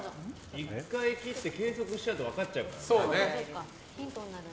１回切って計測しちゃうと分かっちゃうから。